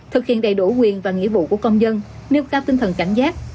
thực hiện đầy đủ quyền và nghĩa vụ của công dân nêu cao tinh thần cảnh giác